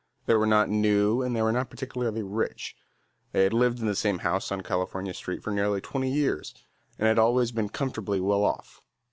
They were not new and they were not particularly rich. They had lived in the same house on California Street for nearly twenty years and had always been comfortably well off.